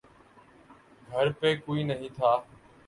گھر پے کوئی نہیں تھا۔